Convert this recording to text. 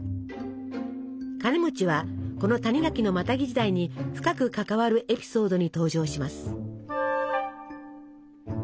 カネはこの谷垣のマタギ時代に深く関わるエピソードに登場します。